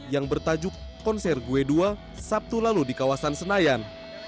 yang bertajuk konser gwe dua sabtu lalu di kawasan senayan